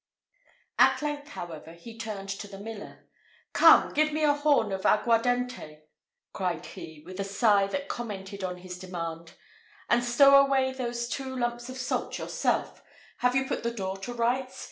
At length, however, he turned to the miller: "Come, give me a horn of the aguardente!" cried he, with a sigh that commented on his demand; "and stow away those two lumps of salt yourself. Have you put the door to rights?